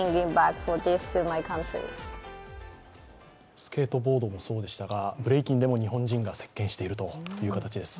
スケートボードもそうでしたが、ブレイキンでも日本人が席巻しているという形です。